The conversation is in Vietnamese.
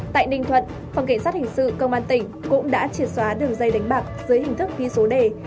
tại ninh thuận phòng cảnh sát hình sự công an tỉnh cũng đã triệt xóa đường dây đánh bạc dưới hình thức ghi số đề